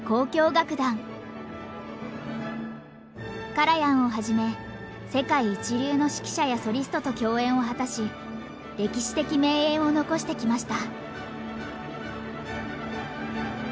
カラヤンをはじめ世界一流の指揮者やソリストと共演を果たし歴史的名演を残してきました。